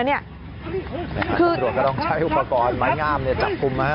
ตำรวจก็ต้องใช้อุปกรณ์ไม้งามจับคุม